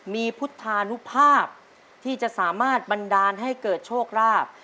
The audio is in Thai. มีพุทธานุภาพที่จะสามารถบันดาลให้เกิดโชคราบ